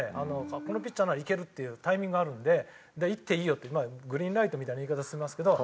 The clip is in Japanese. このピッチャーならいけるっていうタイミングがあるんでいっていいよっていうグリーンライトみたいな言い方してますけど。